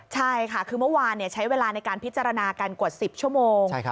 ใช่ค่ะคือเมื่อวานใช้เวลาในการพิจารณากันกว่า๑๐ชั่วโมง